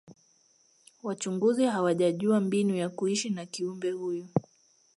wachunguzi hawajajua mbinu ya kuishi na kiumbe huyu